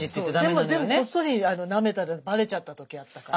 でもこっそりなめたらばれちゃった時あったから。